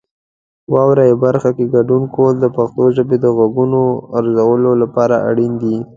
واورئ برخه کې ګډون کول د پښتو ژبې د غږونو ارزولو لپاره اړین دي.